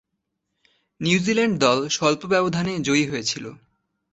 New Zealand দল স্বল্প ব্যবধানে জয়ী হয়েছিল।